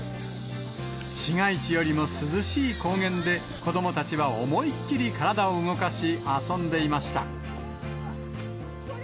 市街地よりも涼しい高原で、子どもたちは思いっきり体を動かし、遊んでいました。